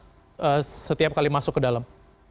berapa jemaat setiap kali masuk ke dalam